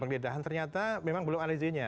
penggeledahan ternyata memang belum analisinya